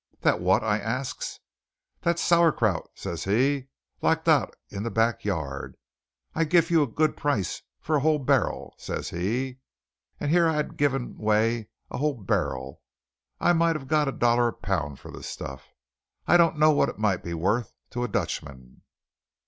'That what?' I asks. 'Dot sauerkraut,' says he, 'like dot in the backyard. I gif you goot price for a whole barrel,' says he. And here I'd give away a whole barrel! I might've got a dollar a pound for the stuff. I don't know what it might be worth to a Dutchman."